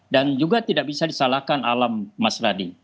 dan juga tidak bisa disalahkan alam masyarakat